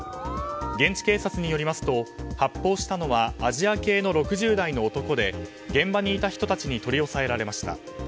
現地警察によりますと発砲したのはアジア系の６０代の男で現場にいた人たちに取り押さえられました。